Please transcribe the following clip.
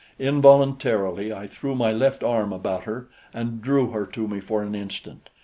Involuntarily I threw my left arm about her and drew her to me for an instant.